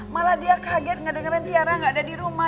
malah dia kaget nggak dengerin tiara gak ada di rumah